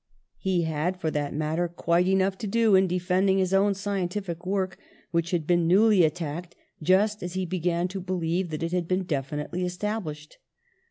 He had, for that matter, quite enough fco do in defending his own scientific work, which had been newly attacked just as he began to believe that it had been definitely established.